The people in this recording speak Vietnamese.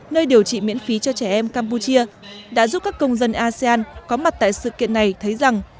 nơi điều trị miễn phí cho trẻ em campuchia đã giúp các công dân asean có mặt tại sự kiện này thấy rằng